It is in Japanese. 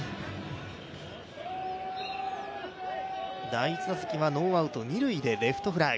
第１打席はノーアウト二塁でレフトフライ。